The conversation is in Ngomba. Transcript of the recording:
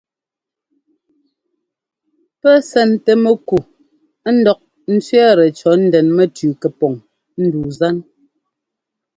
Pɛ́ sɛntɛ mɛku ńdɔk ńtsẅɛ́ɛtɛ cɔ̌ ndɛn mɛtʉʉ kɛpɔŋ ndu zan.